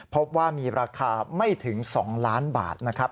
พบว่ามีราคาไม่ถึง๒ล้านบาทนะครับ